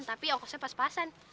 tapi ya kosnya pas pasan